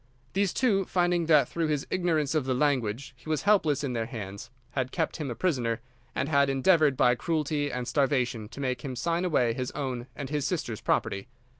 These two, finding that through his ignorance of the language he was helpless in their hands, had kept him a prisoner, and had endeavoured by cruelty and starvation to make him sign away his own and his sister's property.